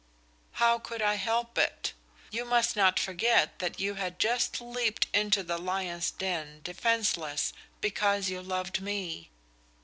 "How could I help it? You must not forget that you had just leaped into the lion's den defenseless, because you loved me.